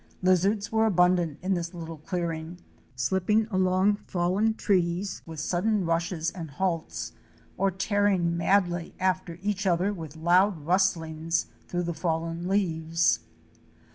Lizards were abundant in this little clearing, slipping along fallen trees with sudden rushes and halts, or tearing madly after each other with loud rustlings through the fallen leaves.